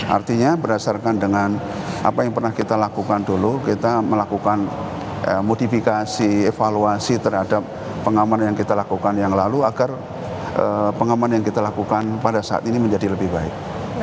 artinya berdasarkan dengan apa yang pernah kita lakukan dulu kita melakukan modifikasi evaluasi terhadap pengaman yang kita lakukan yang lalu agar pengaman yang kita lakukan pada saat ini menjadi lebih baik